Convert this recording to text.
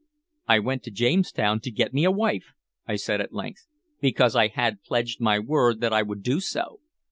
"I went to Jamestown to get me a wife," I said at length, "because I had pledged my word that I would do so.